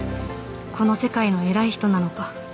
この世界の偉い人なのか